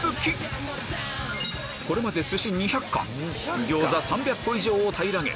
これまですし２００貫ギョーザ３００個以上を平らげ